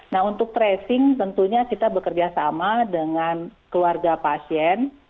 nah untuk tracing tentunya kita bekerja sama dengan keluarga pasien